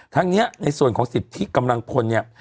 ทั้งนี้ในส่วนของสิทธิกำลังพลเนี่ย